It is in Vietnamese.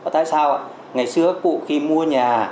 tại sao ạ ngày xưa cụ khi mua nhà